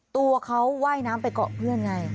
ตัวเขาว่ายน้ำไปเกาะเพื่อนไง